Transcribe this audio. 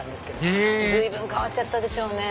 へぇ随分変わっちゃったでしょうね。